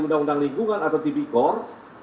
undang undang lingkungan atau tb cor